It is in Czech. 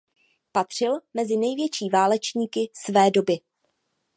Patřil mezi největší válečníky své doby.